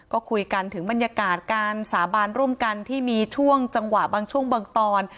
ก็คุยกันถึงบรรยากาศการสาบานร่วมกันที่มีช่วงจังหวะบางช่วงบางตอน